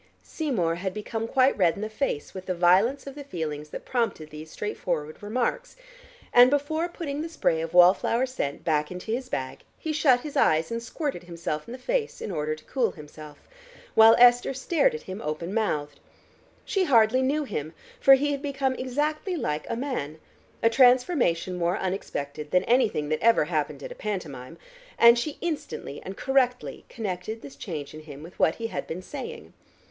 Seymour had become quite red in the face with the violence of the feelings that prompted these straightforward remarks, and before putting the spray of wall flower scent back into his bag, he shut his eyes and squirted himself in the face in order to cool himself, while Esther stared at him open mouthed. She hardly knew him, for he had become exactly like a man, a transformation more unexpected than anything that ever happened at a pantomime, and she instantly and correctly connected this change in him with what he had been saying.